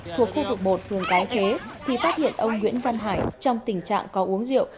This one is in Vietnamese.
thuộc khu vực một phường tái chế thì phát hiện ông nguyễn văn hải trong tình trạng có uống rượu